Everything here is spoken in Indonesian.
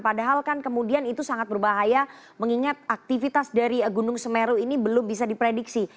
padahal kan kemudian itu sangat berbahaya mengingat aktivitas dari gunung semeru ini belum bisa diprediksi